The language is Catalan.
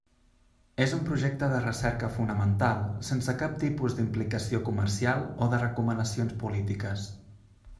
És un projecte de recerca fonamental sense cap tipus d'implicació comercial o de recomanacions polítiques.